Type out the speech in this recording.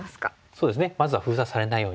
そうですねまずは封鎖されないように。